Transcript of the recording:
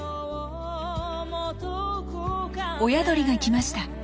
親鳥が来ました。